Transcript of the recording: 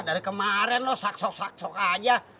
dari kemarin lu sak sak sak aja